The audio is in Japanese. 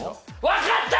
分かった！